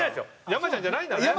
山ちゃんじゃないんだね。